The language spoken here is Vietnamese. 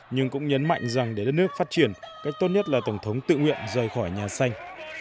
nhưng cũng nhấn mạnh rằng để đất nước phát triển cách tốt nhất là tổng thống tự nguyện rời khỏi nhà xanh